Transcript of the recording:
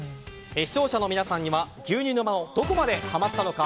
視聴者の皆さんには牛乳沼にどこまでハマったのか